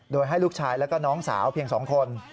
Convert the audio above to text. โดยให้ลูกชายแล้วก็น้องสาวเพียง๒คน